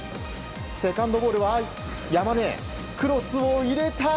セカンドボールは山根クロスを入れた。